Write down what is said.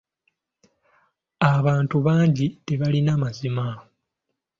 Abantu bangi tebalina mazima.